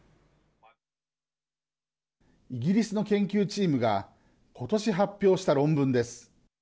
イギリスの研究チームがことし発表した論文です。